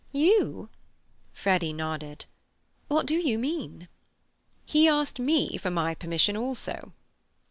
"You?" Freddy nodded. "What do you mean?" "He asked me for my permission also."